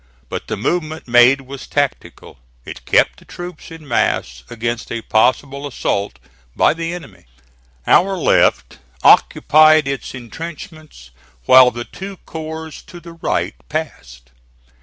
But the movement made was tactical. It kept the troops in mass against a possible assault by the enemy. Our left occupied its intrenchments while the two corps to the right passed.